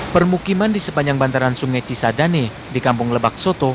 permukiman di sepanjang bantaran sungai cisadane di kampung lebak soto